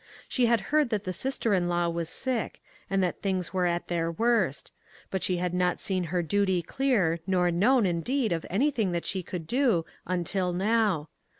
She had heard that the sister in law was sick, and that things were at their worst, but she had not seen her duty clear, nor known, indeed, of anything that she could do until now.